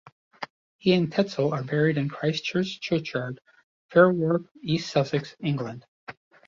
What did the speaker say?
He and Tetzel are buried in Christ Church Churchyard, Fairwarp, East Sussex, England.